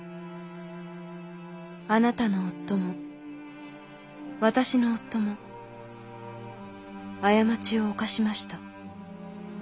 「あなたの夫も私の夫も過ちを犯しました。